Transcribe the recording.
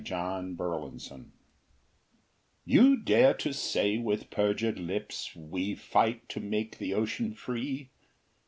MARE LIBERUM I You dare to say with perjured lips, "We fight to make the ocean free"?